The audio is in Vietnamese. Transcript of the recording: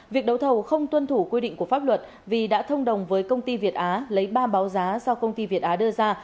việc đấu thầu không tuân thủ quy định của pháp luật vì đã thông đồng với công ty việt á lấy ba báo giá do công ty việt á đưa ra